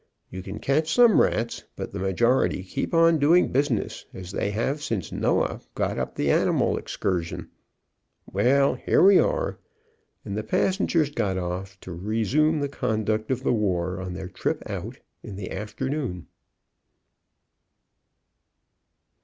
You can catch some rats, but the majority keep on doing business, as they have since Noah got up the animal excursion. Well, here we are," and the passengers got off, to re sume the conduct of the war on their trip out in the afternoon.